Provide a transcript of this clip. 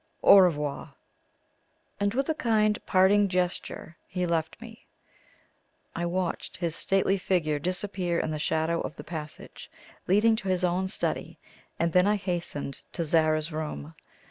Au revoir!" and with a kind parting gesture, he left me. I watched his stately figure disappear in the shadow of the passage leading to his own study, and then I hastened to Zara's room.